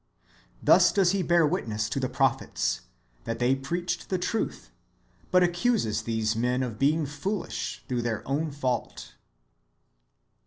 "^ Thus does He bear wdtness to the prophets, that they preached the truth ; but accuses these men (His hearers) of being foolish through their own fault.